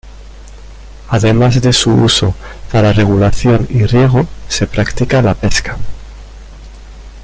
Además de su uso para regulación y riego, se practica la pesca.